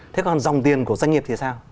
thế còn dòng tiền của doanh nghiệp thì sao